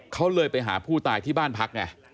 เขาเลยไปหาผู้ตายที่บ้านพักไง